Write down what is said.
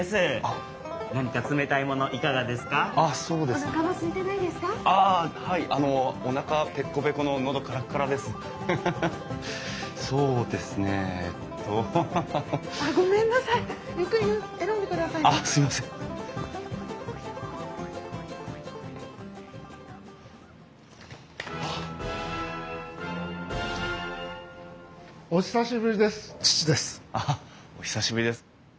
あっお久しぶりです。